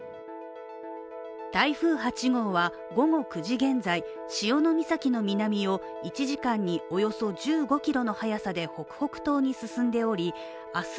台風８号は午後９時現在潮岬の南を１時間におよそ１５キロの速さで北北東に進んでおり明日